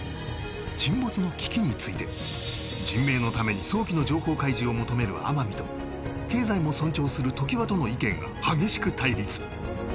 沈没の危機について人命のために早期の情報開示を求める天海と経済も尊重する常盤との意見が激しく対立